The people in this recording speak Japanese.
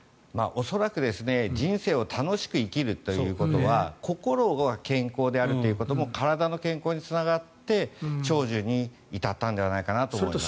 恐らく人生を楽しく生きるということは心が健康であることも体の健康につながって長寿に至ったのではないかなと思います。